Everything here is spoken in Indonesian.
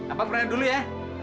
apa perayaan dulu ya